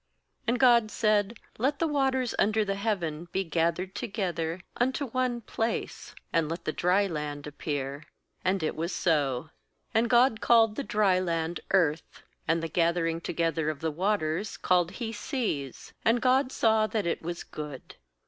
9And God said 'Let the waters under the heaven be gathered together unto one place, and let the dry land appear.' And it was so. "And God called the dry land Earth, and the fthering together of the waters called 3 Seas; and God saw that it was good.